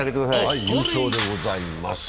優勝でございます。